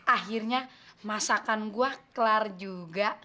akhirnya masakan gue kelar juga